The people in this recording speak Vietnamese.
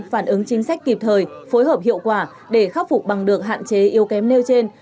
phản ứng chính sách kịp thời phối hợp hiệu quả để khắc phục bằng được hạn chế yếu kém nêu trên